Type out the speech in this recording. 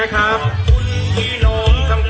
ทุกครับ